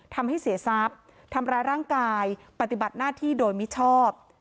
ทำให้เสียทรัพย์ทำร้ายร่างกายปฏิบัติหน้าที่โดยมิชอบ